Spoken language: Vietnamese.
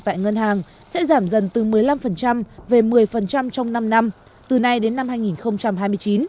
tại ngân hàng sẽ giảm dần từ một mươi năm về một mươi trong năm năm từ nay đến năm hai nghìn hai mươi chín